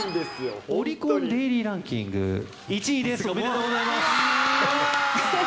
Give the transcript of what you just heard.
オリコンデイリーランキング１位です、おめでとうございます。